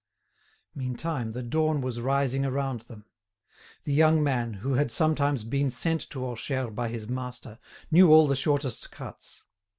Meantime the dawn was rising around them. The young man, who had sometimes been sent to Orcheres by his master, knew all the shortest cuts.